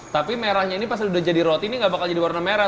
tapi merahnya ini pas udah jadi roti ini gak bakal jadi warna merah